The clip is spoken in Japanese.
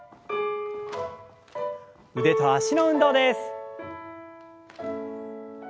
腕と脚の運動です。